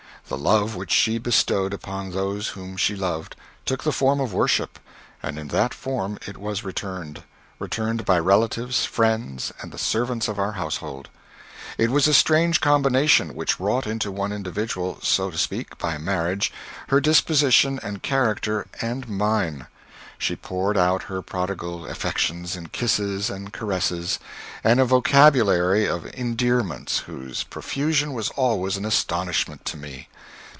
The love which she bestowed upon those whom she loved took the form of worship, and in that form it was returned returned by relatives, friends and the servants of her household. It was a strange combination which wrought into one individual, so to speak, by marriage her disposition and character and mine. She poured out her prodigal affections in kisses and caresses, and in a vocabulary of endearments whose profusion was always an astonishment to me.